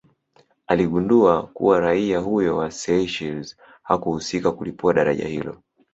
Aligundua kuwa raia huyo wa Seychelles hakuhusika kulipua daraja hilo